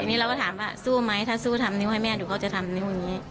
ทีนี้เราก็ถามว่าสู้ไหมถ้าสู้ทำนิ้วให้แม่เดี๋ยวเขาจะทำนิ้วอย่างนี้